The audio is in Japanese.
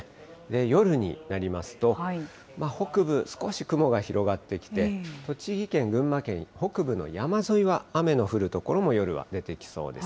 夜になりますと、北部、少し雲が広がってきて、栃木県、群馬県、北部の山沿いは雨の降る所も夜は出てきそうです。